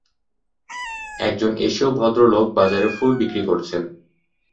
একজন এশীয় ভদ্রলোক বাজারে ফুল বিক্রি করছেন।